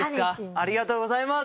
ありがとうございます！